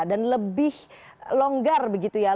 dan lebih longgar begitu ya